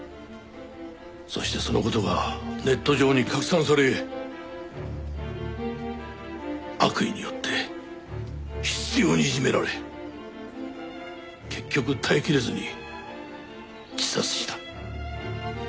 そしてその事がネット上に拡散され悪意によって執拗にいじめられ結局耐えきれずに自殺した。